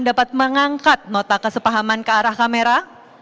dapat mengangkat nota kesepahaman ke arah kamera